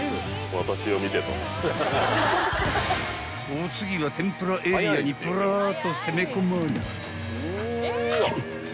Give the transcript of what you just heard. ［お次は天ぷらエリアにぷらっと攻め込まぁな］